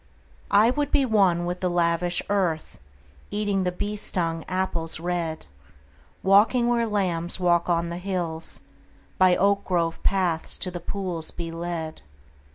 I would be one with the lavish earth, Eating the bee stung apples red: Walking where lambs walk on the hills; By oak grove paths to the pools be led.